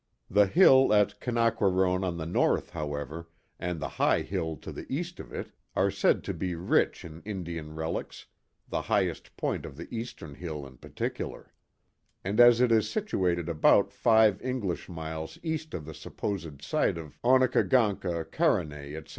The hill at Kinaqua rone on the north, however, and the high hill to the east of it, are said to be rich in Indian relics, the highest point of the eastern hill in particular; and as it is situated about five Eng lish miles east of the supposed site of Onekagoncka, Carenay, etc.